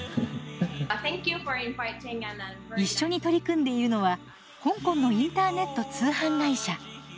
一緒に取り組んでいるのは香港のインターネット通販会社。